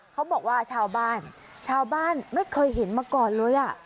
เขาบอกว่าชาวบ้านชาวบ้านไม่เคยเห็นมาก่อนเลยอะ